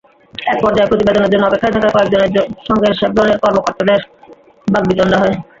একপর্যায়ে প্রতিবেদনের জন্য অপেক্ষায় থাকা কয়েকজনের সঙ্গে শেভরনের কর্মকর্তাদের বাগ্বিতণ্ডা হয়।